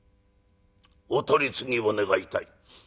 お取り次ぎを願いたい」。